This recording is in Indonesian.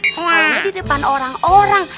selain di depan orang orang